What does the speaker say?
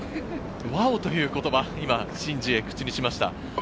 ワオ！という言葉、シン・ジエが口にしました。